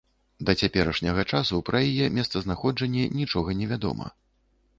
Да цяперашняга часу пра яе месцазнаходжанне нічога не вядома.